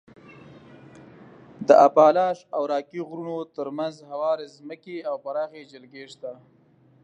د اپالاش او راکي غرونو تر منځ هوارې ځمکې او پراخې جلګې شته.